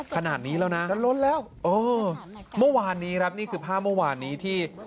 ขนาดนี้แล้วนะโอ้โฮมาวานนี้แร็บนี่คือภาพมาวานนี้ที่